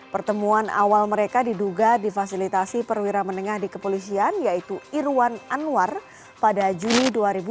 pertemuan awal mereka diduga difasilitasi perwira menengah di kepolisian yaitu irwan anwar pada juni dua ribu dua puluh